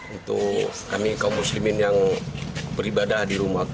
untuk kami kaum muslimin yang beribadah di rumah